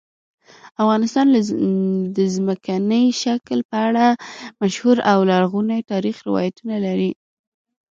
افغانستان د ځمکني شکل په اړه مشهور او لرغوني تاریخی روایتونه لري.